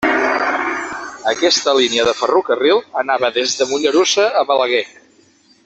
Aquesta línia de ferrocarril anava des de Mollerussa a Balaguer.